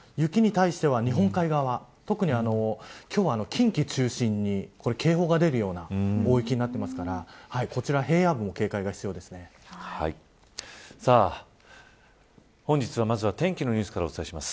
雪に対しては日本海側特に今日は近畿中心に警報が出る大雪になってるので本日は、まずは天気のニュースからお伝えします。